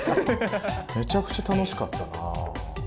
めちゃくちゃ楽しかったな。